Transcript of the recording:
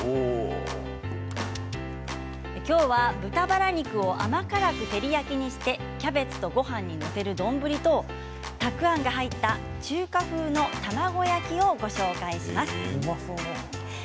今日は豚バラ肉を甘辛く照り焼きにしてキャベツとごはんに載せる丼とたくあんの入った中華風の卵焼きをご紹介します。